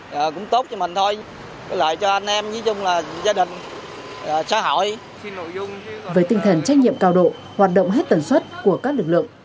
với tinh thần trách nhiệm cao độ hoạt động hết tần suất của các lực lượng